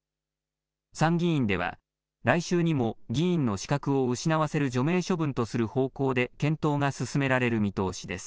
参議院では、来週にも議員の資格を失わせる除名処分とする方向で検討が進められる見通しです。